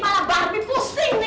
malah barbie pusing nih